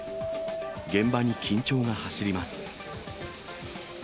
現場に緊張が走ります。